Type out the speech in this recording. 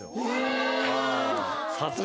さすが。